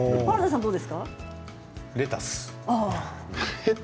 レタス。